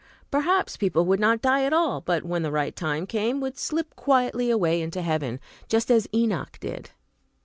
Perhaps people would not die at all, but, when the right time came, would slip quietly away into heaven, just as Enoch did.